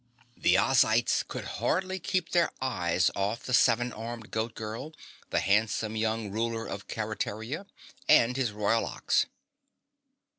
The Ozites could hardly keep their eyes off the seven armed Goat Girl, the handsome young ruler of Keretaria and his Royal Ox.